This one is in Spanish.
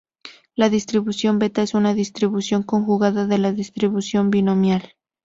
La distribución Beta es una distribución conjugada de la distribución binomial.